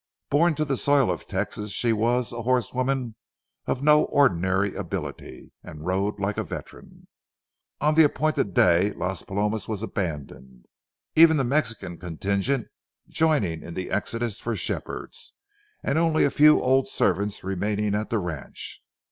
Born to the soil of Texas, she was a horsewoman of no ordinary ability, and rode like a veteran. On the appointed day, Las Palomas was abandoned; even the Mexican contingent joining in the exodus for Shepherd's, and only a few old servants remaining at the ranch.